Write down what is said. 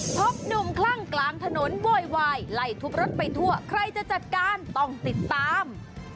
พบหนุ่มคลั่งกลางถนนโวยวายไล่ทุบรถไปทั่วใครจะจัดการต้องติดตาม